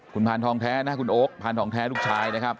คุณพานทองแท้นะคุณโอ๊คพานทองแท้ลูกชายนะครับ